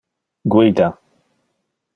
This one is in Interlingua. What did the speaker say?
Guida.